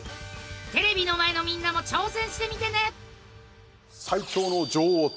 テレビの前のみんなも挑戦してみてね！